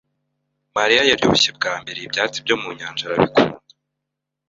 Mariya yaryoshye bwa mbere ibyatsi byo mu nyanja arabikunda.